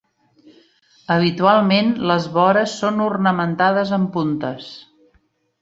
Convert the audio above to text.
Habitualment les vores són ornamentades amb puntes.